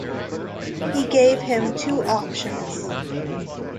He gave him two options.